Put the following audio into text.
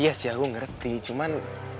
iya sih ya gue ngerti cuman